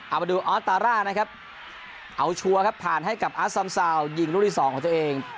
เอามาดูออสตาร่านะครับเอาชัวร์ครับผ่านให้กับอาร์ซัมซาวยิงลูกที่สองของตัวเอง